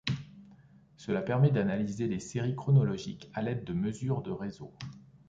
Cela permet d'analyser les séries chronologiques à l'aide de mesures de réseau.